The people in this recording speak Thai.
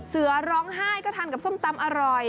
เสือร้องไห้ก็ทานกับส้มตำอร่อย